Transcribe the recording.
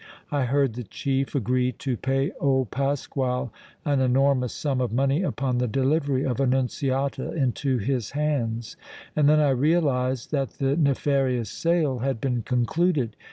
I heard the chief agree to pay old Pasquale an enormous sum of money upon the delivery of Annunziata into his hands, and then I realized that the nefarious sale had been concluded.